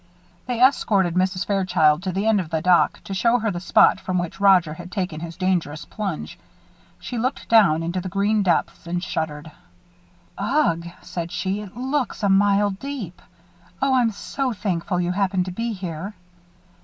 They escorted Mrs. Fairchild to the end of the dock, to show her the spot from which Roger had taken his dangerous plunge. She looked down into the green depths and shuddered. "Ugh!" she said, "it looks a mile deep. Oh, I'm so thankful you happened to be here."